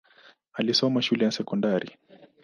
Alisoma shule ya sekondari.